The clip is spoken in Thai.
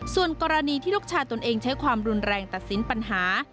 ส่วนกรณีที่ลูกชายตนเองใช้ความรุนแรงตัดสินปัญหา